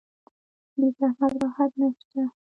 بې زحمت راحت نشته